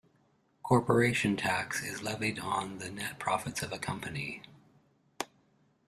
Corporation tax is levied on the net profits of a company.